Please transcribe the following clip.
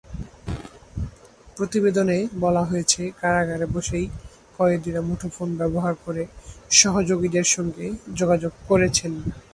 প্রতিবেদনে বলা হয়েছে, কারাগারে বসেই কয়েদিরা মুঠোফোন ব্যবহার করে সহযোগীদের সঙ্গে যোগাযোগ করেছেন।